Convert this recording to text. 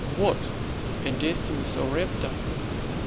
What! a destiny so reptile?